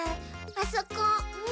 あそこ。